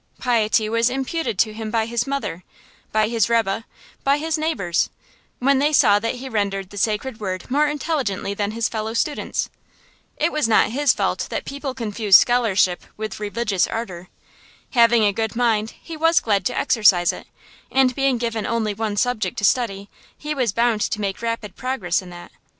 Piety was imputed to him by his mother, by his rebbe, by his neighbors, when they saw that he rendered the sacred word more intelligently than his fellow students. It was not his fault that his people confused scholarship with religious ardor. Having a good mind, he was glad to exercise it; and being given only one subject to study he was bound to make rapid progress in that.